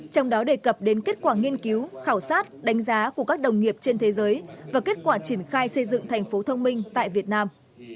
trong đó đề cập đến kết quả nghiên cứu khảo sát đánh giá của các đồng nghiệp trên thế giới và kết quả triển khai xây dựng thành phố thông minh tại việt nam